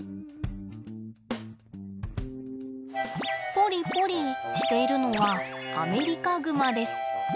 ポリポリしているのはアメリカグマです。